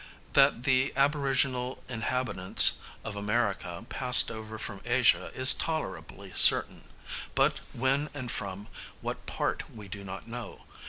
That the aboriginal inhabitants of America passed over from Asia is tolerably certain, but when and from what part we do not know.